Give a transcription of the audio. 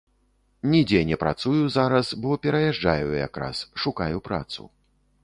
Нідзе не працую зараз, бо пераязджаю якраз, шукаю працу.